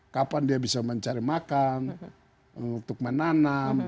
kapan dia bisa mencari makan untuk menanam